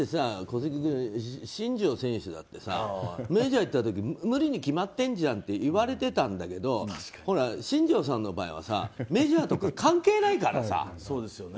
小杉君、新庄選手だってさメジャー行った時無理に決まってるじゃんって言われてたんだけど新庄さんの場合はメジャーとか関係ないからさ。